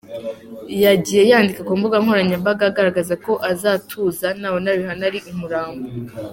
Yagiye yandika ku mbuga nkoranyambaga agaragaza ko azatuza nabona Rihanna ari umurambo.